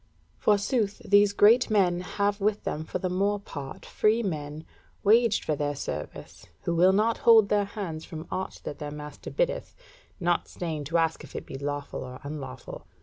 Forsooth these great men have with them for the more part free men waged for their service, who will not hold their hands from aught that their master biddeth, not staying to ask if it be lawful or unlawful.